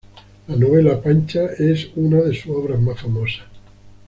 La novela Pancha es una de sus obras más famosas.